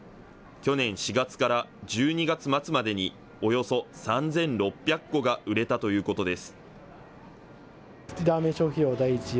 去年４月から１２月末までに、およそ３６００個が売れたということです。